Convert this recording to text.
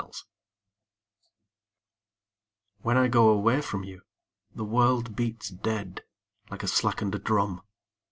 The Taxi When I go away from you The world beats dead Like a slackened drum.